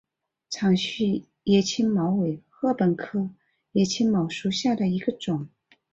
长序野青茅为禾本科野青茅属下的一个种。